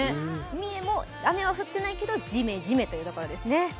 三重も雨は降っていないけどじめじめというところですね。